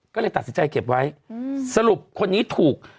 ก็เลยตัดสินใจเก็บไว้สรุปคนนี้ถูก